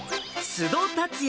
須戸達哉